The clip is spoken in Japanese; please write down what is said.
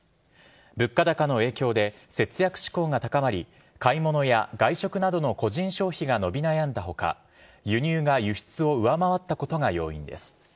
物価高の影響で、節約志向が高まり、買い物や外食などの個人消費が伸び悩んだほか、輸入が輸出を上回ったことが要因です。